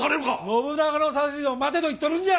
信長の指図を待てと言っとるんじゃ！